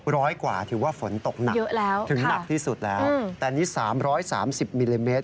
ร้อยกว่าถือว่าฝนตกหนักเยอะแล้วถึงหนักที่สุดแล้วแต่นี่๓๓๐มิลลิเมตร